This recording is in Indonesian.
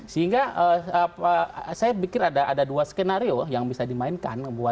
sehingga saya pikir ada dua skenario yang bisa dimainkan